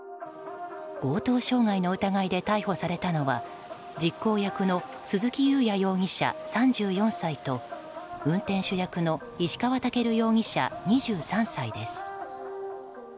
強盗傷害の疑いで逮捕されたのは実行役の鈴木雄也容疑者、３４歳と運転手役の石川健容疑者、２３歳です。